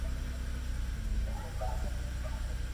ٿاري ڀاگ ھارو ھون ڪاوُ ڪارو